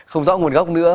không rõ nguồn gốc nữa